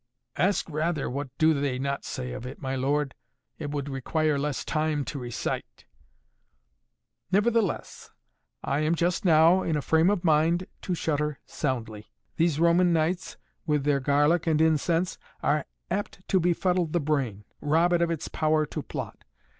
"Ask rather, what do they not say of it, my lord! It would require less time to recite " "Nevertheless, I am just now in a frame of mind to shudder soundly. These Roman nights, with their garlic and incense, are apt to befuddle the brain, rob it of its power to plot.